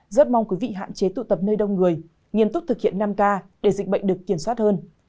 rất mong quý vị hạn chế tụ tập nơi đông người nghiêm túc thực hiện năm k để dịch bệnh được kiểm soát hơn